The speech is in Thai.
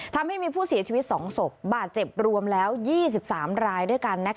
ทำให้มีผู้เสียชีวิต๒ศพบาดเจ็บรวมแล้ว๒๓รายด้วยกัน